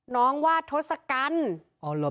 น้องวาดทศกรรม